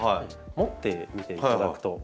持ってみていただくと。